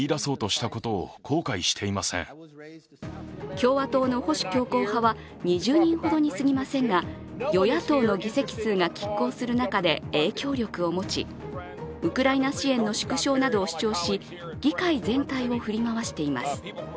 共和党の保守強硬派は２０人ほどに過ぎませんが、与野党の議席数がきっ抗する中で影響力を持ち、ウクライナ支援の縮小などを主張し議会全体を振り回しています。